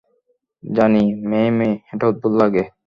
জানি মেই-মেই, এটা অদ্ভূত লাগে।